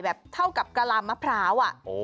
เท่ากับกะลามะพร้าว